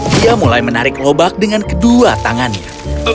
dia mulai menarik lobak dengan kedua tangannya